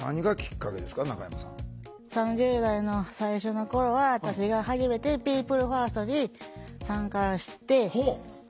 ３０代の最初の頃は私が初めてピープルファーストに参加してそこでデート